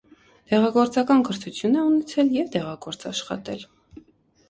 Դեղագործական կրթություն է ունեցել և դեղագործ աշխատել։